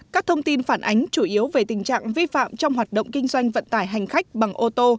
các thông tin phản ánh chủ yếu về tình trạng vi phạm trong hoạt động kinh doanh vận tải hành khách bằng ô tô